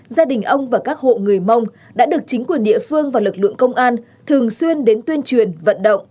gia đình ông và các hộ người mông đã được chính quyền địa phương và lực lượng công an thường xuyên đến tuyên truyền vận động